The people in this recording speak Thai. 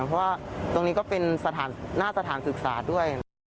เพราะว่าตรงนี้ก็เป็นหน้าสถานศึกษาด้วย